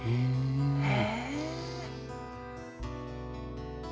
へえ。